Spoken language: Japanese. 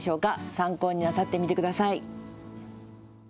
参考になさってみてください。